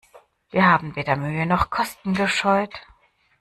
Wir haben weder Mühe noch Kosten gescheut.